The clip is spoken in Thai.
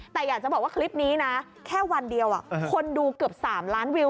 แต่อยากจะบอกว่าคลิปนี้นะแค่วันเดียวคนดูเกือบ๓ล้านวิว